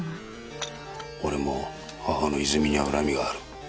俺も母之泉には恨みがある。